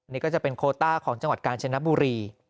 นี่ก็จะเป็นโคต้าของจังหวัดกาญจนบุรี